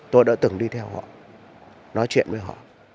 tôi đã từng đi theo họ nói chuyện với họ